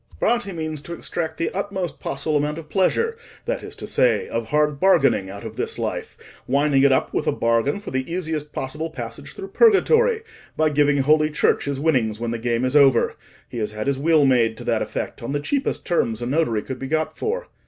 "Bratti means to extract the utmost possible amount of pleasure, that is to say, of hard bargaining, out of this life; winding it up with a bargain for the easiest possible passage through purgatory, by giving Holy Church his winnings when the game is over. He has had his will made to that effect on the cheapest terms a notary could be got for.